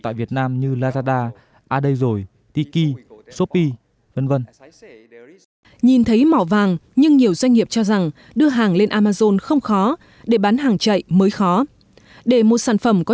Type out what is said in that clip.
tại vì đối với thị trường marketing bốn bây giờ